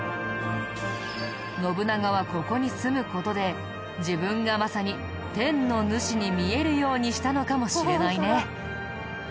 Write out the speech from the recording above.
信長はここに住む事で自分がまさに天の主に見えるようにしたのかもしれないね。